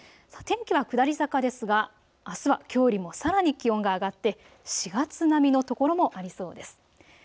天気は下り坂ですがあすはきょうよりもさらに気温が上がって、４月並みの所もありそうです。